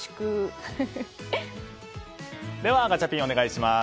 ではガチャピンお願いします。